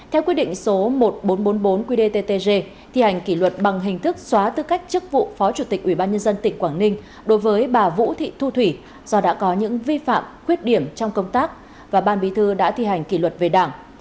theo quyết định số một nghìn bốn trăm bốn mươi bốn qdttg thi hành kỷ luật bằng hình thức xóa tư cách chức vụ phó chủ tịch ubnd tỉnh quảng ninh đối với bà vũ thị thu thủy do đã có những vi phạm khuyết điểm trong công tác và ban bí thư đã thi hành kỷ luật về đảng